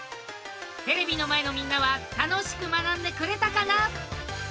テレビの前のみんなは楽しく学んでくれたかな？